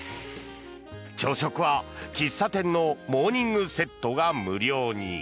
朝食は、喫茶店のモーニングセットが無料に。